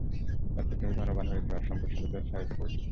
তারপর তুমি ধনবান হয়েছে আর সম্পদশালীদের সারিতে পৌঁছেছে।